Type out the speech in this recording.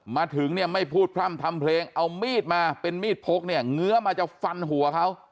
มาถึงเนี่ยไม่พูดพร่ำทำเพลงเอามีดมาเป็นมีดพกเนี่ยเงื้อมาจะฟันหัวเขา